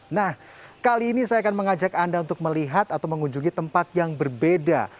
nah kali ini saya akan mengajak anda untuk melihat atau mengunjungi tempat yang berbeda